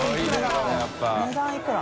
これ値段いくら？